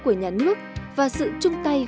của nhắn lúc và sự chung tay